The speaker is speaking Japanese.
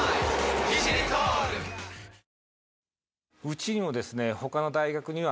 うちにもですね。